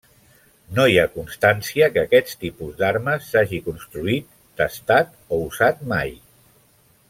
No hi ha constància que aquest tipus d'armes s'hagi construït, testat o usat mai.